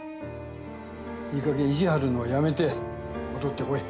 いいかげん意地張るのやめて戻ってこい。